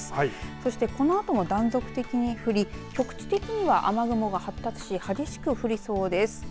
そして、このあとも断続的に降り局地的には雨雲が発達し激しく降りそうです。